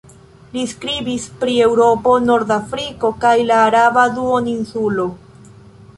Li skribis pri Eŭropo, Nordafriko kaj la araba duoninsulo.